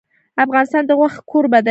افغانستان د غوښې کوربه دی.